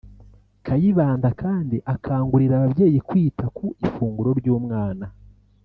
Kayibanda kandi akangurira ababyeyi kwita ku ifunguro ry’umwana